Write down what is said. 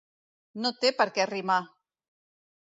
No té per què rimar!